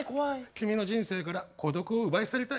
君の人生から孤独を奪い去りたい。